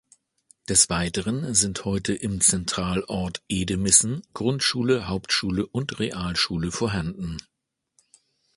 Des Weiteren sind heute im Zentralort Edemissen Grundschule, Hauptschule und Realschule vorhanden.